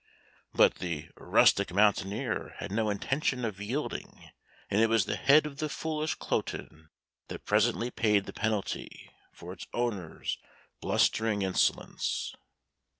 But the "rustic mountaineer" had no intention of yielding, and it was the head of the foolish Cloten that presently paid the penalty for its owner's blustering insolence.